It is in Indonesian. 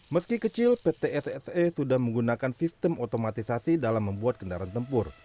meski kecil pt sse sudah menggunakan sistem otomatisasi dalam membuat kendaraan tempur